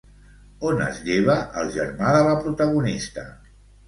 On es lleva el germà de la protagonista?